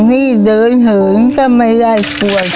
หนึ่งล้าน